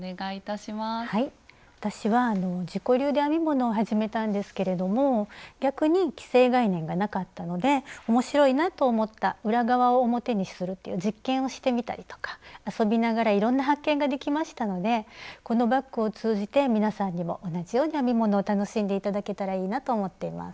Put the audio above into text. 私は自己流で編み物を始めたんですけれども逆に既成概念がなかったので面白いなと思った裏側を表にするという実験をしてみたりとか遊びながらいろんな発見ができましたのでこのバッグを通じて皆さんにも同じように編み物を楽しんで頂けたらいいなと思っています。